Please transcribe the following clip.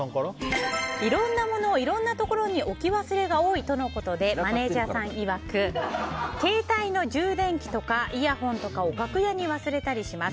いろんなものをいろんなところに置き忘れが多いということでマネジャーさんいわく携帯の充電器とかイヤホンとかを楽屋に忘れたりします。